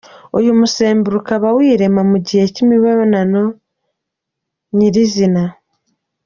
Uyu musemburo ukaba wirema mu gihe cy’Imibonano nyirizina.